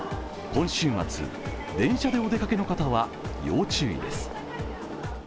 今週末、電車でお出かけの方は要注意です。